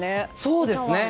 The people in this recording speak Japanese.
そうですね。